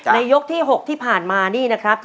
ยกที่๖ที่ผ่านมานี่นะครับ